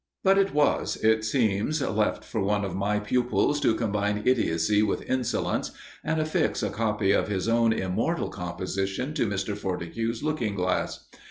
But it was, it seems, left for one of my pupils to combine idiocy with insolence and affix a copy of his own immortal composition to Mr. Fortescue's looking glass!